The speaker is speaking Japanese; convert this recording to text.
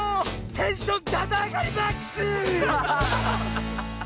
テンションだだあがりマックス！